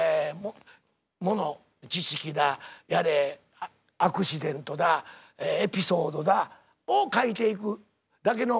知識だやれアクシデントだエピソードだを書いていくだけのことなんですよ。